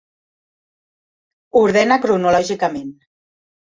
Ordenada cronològicament.